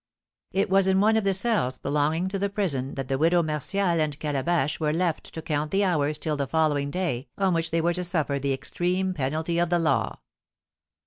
It was in one of the cells belonging to the prison that the Widow Martial and Calabash were left to count the hours till the following day, on which they were to suffer the extreme penalty of the law.